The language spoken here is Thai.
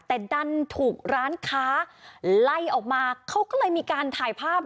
แต่ดันถูกร้านค้าไล่ออกมาเขาก็เลยมีการถ่ายภาพ